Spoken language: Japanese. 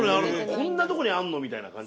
「こんなとこにあるの？」みたいな感じ？